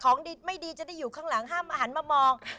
ของดีไม่ดีจะได้อยู่ข้างหลังห้ามหันมามอง